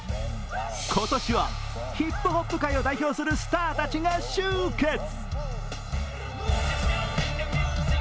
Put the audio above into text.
今年はヒップホップ界を代表するスターたちが集結。